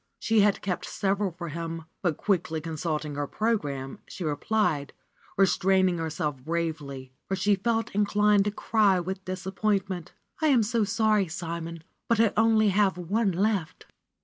She had kept several for him, but quickly con sulting her program, she replied, restraining herself bravely, for she felt inclined to cry with disappointment : am so sorry, Simon, but I only have one left."